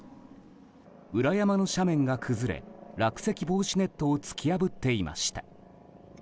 裏山の斜面が崩れ落石防止ネットを突き破っていました。